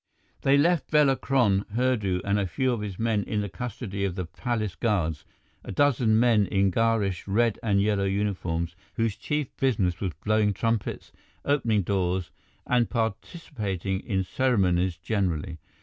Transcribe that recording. They left Bela Kron, Hurdu, and a few of his men in the custody of the palace guards, a dozen men in garish red and yellow uniforms whose chief business was blowing trumpets, opening doors, and participating in ceremonies generally.